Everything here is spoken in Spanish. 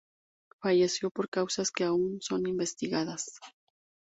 Falleció por causas que aun son investigadas.